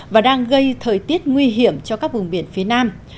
và đang gây thời tiết nguy hiểm cho các vùng biển phía nam